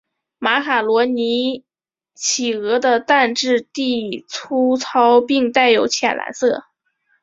马卡罗尼企鹅的蛋质地粗糙并带有浅蓝色。